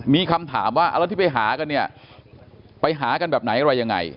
มีคำถามว่าเอาแล้วที่ไปหากันเนี่ยไปหากันแบบไหนอะไรยังไง